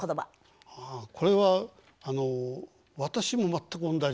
あこれは私も全く同じ。